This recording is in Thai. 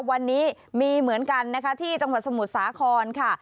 วันนี้มีเหมือนกันนะคะที่จังหวัดสมุทรสาครค่ะ